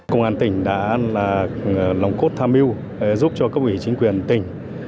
công an tỉnh đã lòng cốt tham mưu giúp cho cấp ủy chính quyền tỉnh